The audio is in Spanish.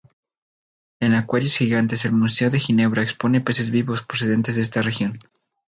En acuarios gigantes el Museo de Ginebra expone peces vivos procedentes de esta región.